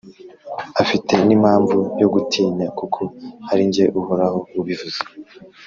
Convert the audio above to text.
afite n’impamvu yo gutinya kuko ari jye Uhoraho ubivuze